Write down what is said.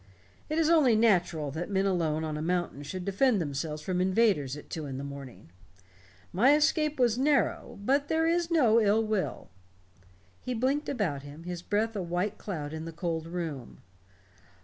"It is only natural that men alone on a mountain should defend themselves from invaders at two in the morning. My escape was narrow, but there is no ill will." He blinked about him, his breath a white cloud in the cold room.